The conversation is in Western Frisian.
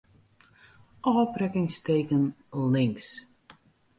Ofbrekkingsteken links.